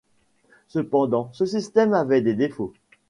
Cependant ce système avait des défauts.